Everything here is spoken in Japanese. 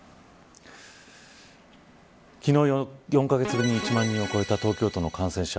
昨日、４カ月ぶりに１万人を超えた東京都の感染者。